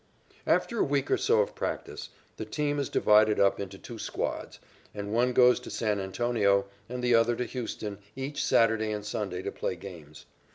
After a week or so of practice, the team is divided up into two squads, and one goes to San Antonio and the other to Houston each Saturday and Sunday to play games.